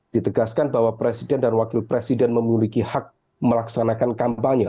ditegaskan bahwa presiden dan wakil presiden memiliki hak melaksanakan kampanye